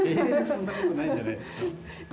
そんなことないんじゃないですか